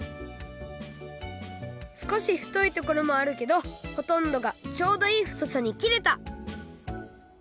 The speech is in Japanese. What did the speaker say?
すこしふといところもあるけどほとんどがちょうどいいふとさにきれた！